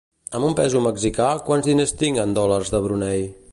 Amb un peso mexicà, quants diners tinc en dòlars de Brunei?